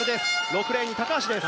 ６レーンに高橋です。